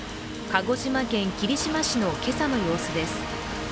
鹿児島県霧島市の今朝の様子です。